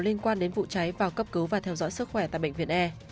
liên quan đến vụ cháy vào cấp cứu và theo dõi sức khỏe tại bệnh viện e